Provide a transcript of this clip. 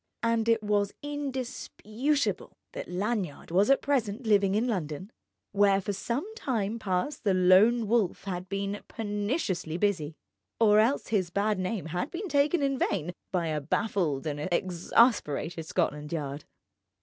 And it was indisputable that Lanyard was at present living in London, where for some time past the Lone Wolf had been perniciously busy; or else his bad name had been taken in vain by a baffled and exasperated Scotland Yard.